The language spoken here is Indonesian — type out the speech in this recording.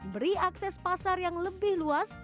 beri akses pasar yang lebih luas